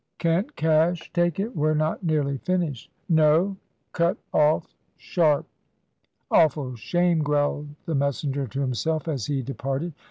"Can't Cash take it? We're not nearly finished." "No. Cut off, sharp!" "Awful shame!" growled the messenger to himself, as he departed.